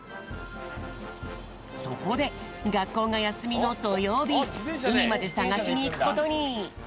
そこでがっこうがやすみのどようびうみまでさがしにいくことに。